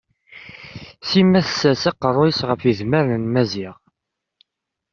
Sima tessers aqerruy-is ɣef yidmaren n Maziɣ.